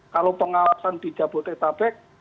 kalau pengawasan di jabodetabek